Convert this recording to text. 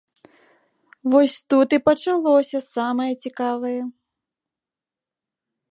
Вось тут і пачалося самае цікавае!